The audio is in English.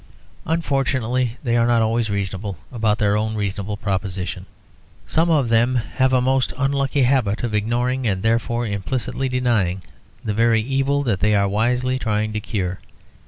Unfortunately they are not always reasonable about their own reasonable proposition. Some of them have a most unlucky habit of ignoring, and therefore implicitly denying, the very evil that they are wisely trying to cure.